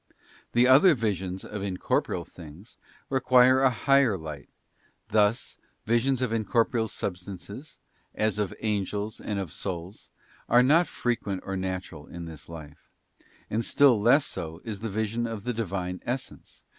The other visions of incorporeal things require a higher light: thus visions of incorporeal substances, as of Angels and of souls, are not frequent or natural in this life ; and still less so is the vision of the Divine Essence, which is CHAP.